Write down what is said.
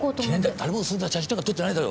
誰もそんな写真とか撮ってないだろ。